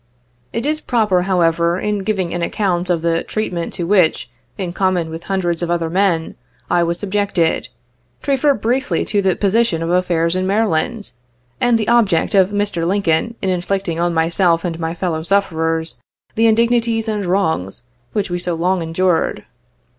It is proper, however, in giving an account of the treatment to which, in common with hundreds of other men, I was subjected, to refer briefly to the position of affairs in Maryland, and the object of Mr. Lincoln in inflicting on myself and my fellow sufferers the indignities and wrongs which we so long endured.